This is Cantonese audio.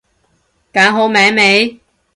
揀好名未？